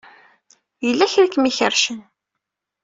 Yella kra ay kem-ikerrcen.